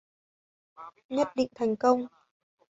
nhất định thành công